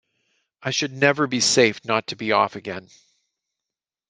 I should never be safe not to be off again.